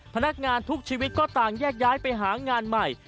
พนักงานทุกชีวิตก็ต่างแยกย้ายไปหางานใหม่